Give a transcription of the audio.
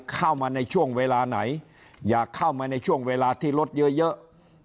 เข้ามาในช่วงเวลาไหนอยากเข้ามาในช่วงเวลาที่รถเยอะ